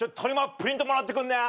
プリントもらってくんね？